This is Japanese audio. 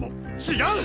違う！